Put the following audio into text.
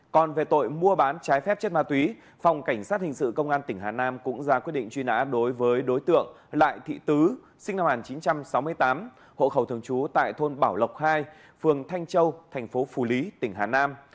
còn về tội mua bán trái phép chất ma túy phòng cảnh sát hình sự công an tỉnh hà nam cũng ra quyết định truy nã đối với đối tượng lại thị tứ sinh năm một nghìn chín trăm sáu mươi tám hộ khẩu thường trú tại thôn bảo lộc hai phường thanh châu thành phố phủ lý tỉnh hà nam